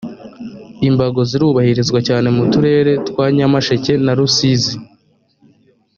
imbago zirubahirizwa cyane mu turere twa nyamasheke na rusizi